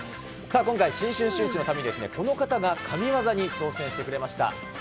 さあ、今回、新春シューイチのために、この方が神業に挑戦してくれました。